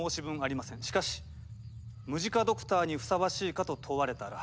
しかしムジカドクターにふさわしいかと問われたら。